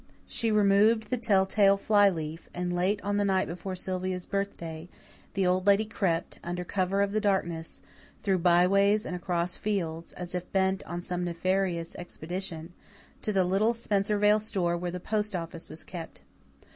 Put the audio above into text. She removed the telltale fly leaf; and late on the night before Sylvia's birthday, the Old Lady crept, under cover of the darkness, through byways and across fields, as if bent on some nefarious expedition, to the little Spencervale store where the post office was kept.